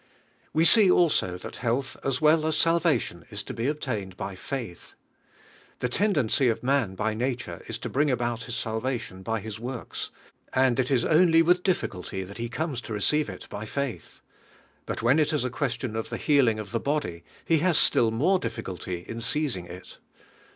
We see also thai health as well as salva tion is to be obtained by faith . The ten dency of man by nature is io bring about his salvation by his works; and it is only with difficulty that ho comes bo receive it by faith; but when it is a question of the healing of the body, he has sill] more difficulty in seizing it.